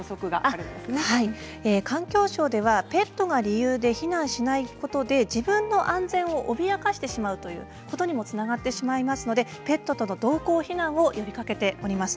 環境省ではペットが理由で避難しないことで自分の安全を脅かしてしまうということにもつながってしまいますのでペットとの同行避難を呼びかけております。